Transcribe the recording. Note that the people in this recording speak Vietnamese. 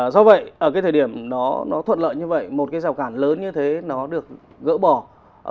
do vậy ở cái thời điểm nó thuận lợi như vậy một cái rào cản lớn như thế nó được gỡ bỏ